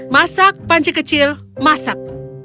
masak panci kecil masak